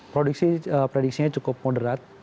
prediksinya cukup moderat